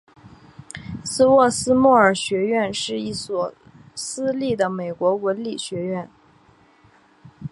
斯沃斯莫尔学院是一所私立的美国文理学院。